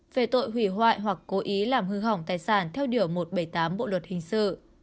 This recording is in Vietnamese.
về tội hủy hoại hoặc cố ý làm hư hỏng tài sản theo điều một trăm bảy mươi tám bộ luật hình sự